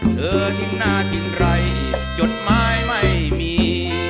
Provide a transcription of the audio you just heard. เธอทิ้งหน้าทิ้งไรจดหมายไม่มี